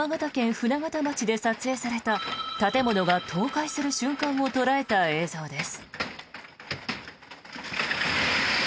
舟形町で撮影された建物が倒壊する瞬間を捉えた映像です。